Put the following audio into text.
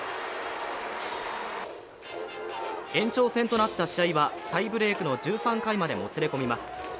延長戦となった試合はタイブレークの１３回までもつれ込みます。